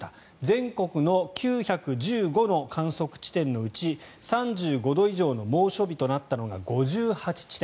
全国の９１５の観測地点のうち３５度以上の猛暑日となったのが５８地点。